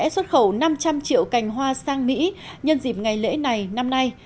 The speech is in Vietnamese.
xuất khẩu năm trăm linh triệu cành hoa sang mỹ nhân dịp ngày lễ này năm nay